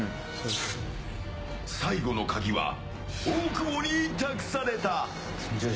最後のカギは大久保に託された。